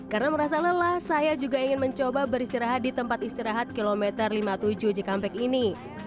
karena merasa lelah saya juga ingin mencoba beristirahat di tempat istirahat km lima puluh tujuh cikampek ini